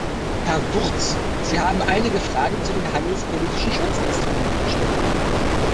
Herr Wurtz, Sie haben einige Fragen zu den handelspolitischen Schutzinstrumenten gestellt.